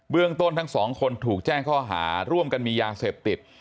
เรื่องต้นทั้งสองคนถูกแจ้งข้อหาร่วมกันมียาเสพติด